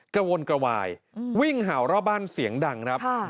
กระวนกระวายวิ่งเห่ารอบบ้านเสียงดังครับ